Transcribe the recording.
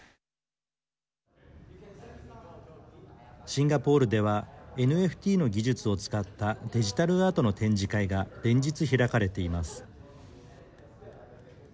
シンガポールではＮＦＴの技術を使ったデジタルアートの展示会が連日、開かれています。